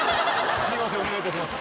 すいませんお願いいたします。